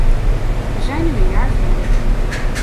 We zijn nu een jaar verder.